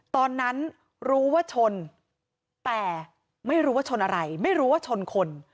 ตอนนั้นรู้ว่าชนแต่ไม่รู้ว่าชนอะไรไม่รู้ว่าชนคน